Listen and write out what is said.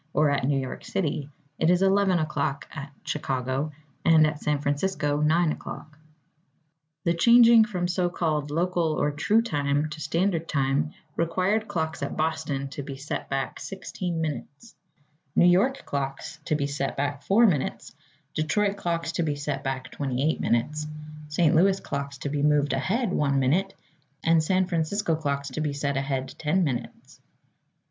or at New York City, it is 11 o'clock at Chicago, and at San Francisco 9 o'clock. The changing from so called Local or True Time to Standard Time required clocks at Boston to be set back 16 minutes; New York clocks to be set back 4 minutes; Detroit clocks to be set back 28 minutes; St. Louis clocks to be moved ahead one minute; and San Francisco clocks to be set ahead ten minutes.